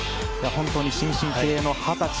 本当に新進気鋭の二十歳。